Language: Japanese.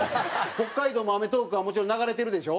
北海道も『アメトーーク』はもちろん流れてるでしょ？